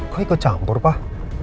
kok ikut campur pak